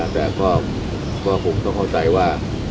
แต่ก็คงต้องเข้าใจว่า